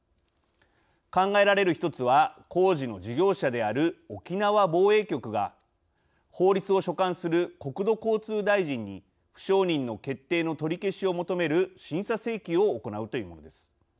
考えられる１つは工事の事業者である沖縄防衛局が法律を所管する国土交通大臣に不承認の決定の取り消しを求める審査請求を行うというものです。